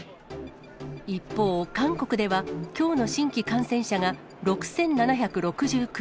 一方、韓国では、きょうの新規感染者が６７６９人。